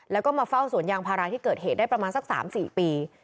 แล้วก็มาเฝ้าสวนยางพาราที่เกิดเหตุได้ประมาณสัก๓๔ปี